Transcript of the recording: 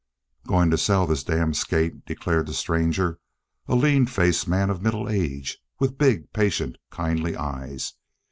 "Going to sell this damned skate," declared the stranger, a lean faced man of middle age with big, patient, kindly eyes.